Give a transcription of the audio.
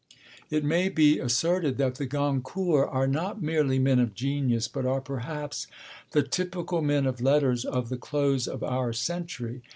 It may be asserted that the Goncourts are not merely men of genius, but are perhaps the typical men of letters of the close of our century.